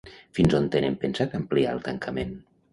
Fins on tenen pensat ampliar el tancament?